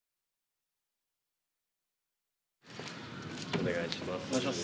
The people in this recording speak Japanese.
お願いします。